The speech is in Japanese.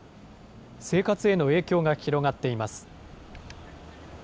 生活への影響が広がっています。